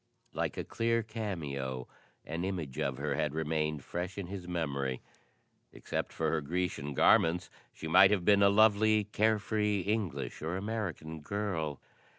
Like a clear cameo, an image of her had remained fresh in his memory. Except for her Grecian garments she might have been a lovely, carefree English or American girl.